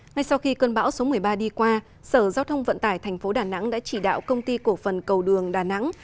ngay sau khi cơn bão số một mươi ba đi qua sở giao thông vận tải thành phố đà nẵng đã chỉ đạo công ty cổ phần cầu đường đà nẵng